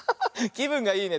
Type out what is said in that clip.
きぶんがいいね。